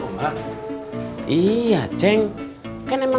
ora yang bener brasil